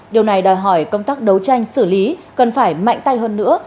điều này đòi hỏi công tác đấu tranh xử lý cần phải mạnh tay hơn nữa